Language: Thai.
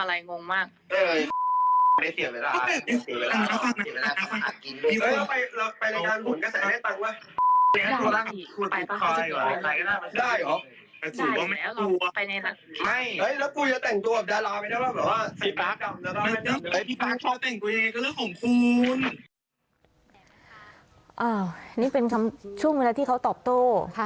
อันนี้เป็นคำช่วงเวลาที่เขาตอบโต้